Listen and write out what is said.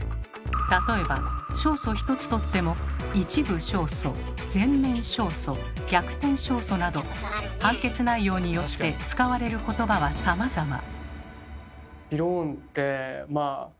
例えば勝訴ひとつとっても「一部勝訴」「全面勝訴」「逆転勝訴」など判決内容によって使われる言葉はさまざま。